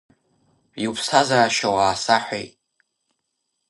Иуԥсҭазаашьоу аасаҳәеи!